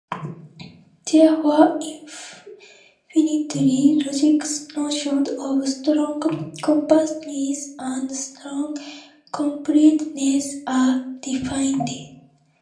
Therefore for infinitary logics, notions of strong compactness and strong completeness are defined.